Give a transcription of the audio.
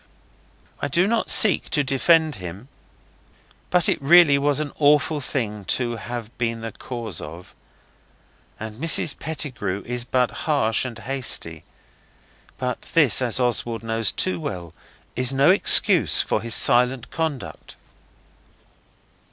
I do not seek to defend him. But it really was an awful thing to have been the cause of; and Mrs Pettigrew is but harsh and hasty. But this, as Oswald knows too well, is no excuse for his silent conduct.